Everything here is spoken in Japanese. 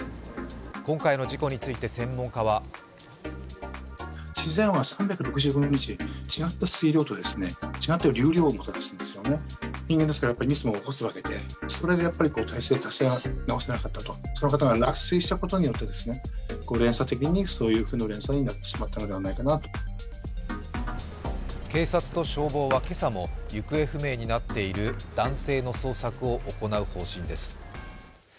今回の事故について専門家は警察と消防は今朝も行方不明になっている男性の捜索を行う方針です。